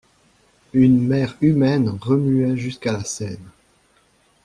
Une mer humaine remuait jusqu'à la Seine.